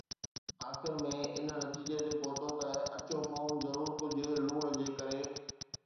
آخر ۾ ان نتيجي تي پهتو ته اڇو فوم ضرور ڪجهه لوڻ جي ڪري